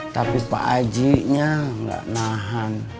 tapi pak ajiknya gak nahan